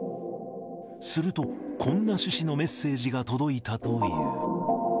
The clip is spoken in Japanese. すると、こんな趣旨のメッセージが届いたという。